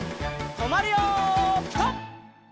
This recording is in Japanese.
とまるよピタ！